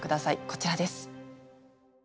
こちらです。